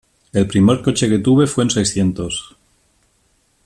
El primer coche que tuve fue un seiscientos.